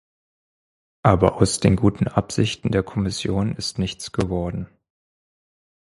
Aber aus den guten Absichten der Kommission ist nichts geworden.